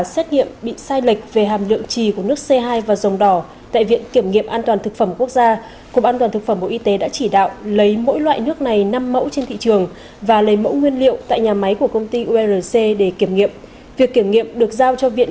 xin chào quý vị và các bạn